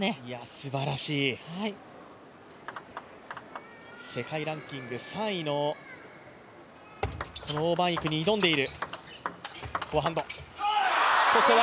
すばらしい、世界ランキング３位の王曼イクに挑んでいる。